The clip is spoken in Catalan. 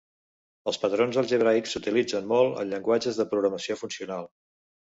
Els patrons algebraics s'utilitzen molt en llenguatges de programació funcional.